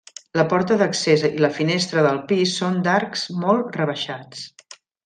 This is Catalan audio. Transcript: La porta d'accés i la finestra del pis són d'arcs molt rebaixats.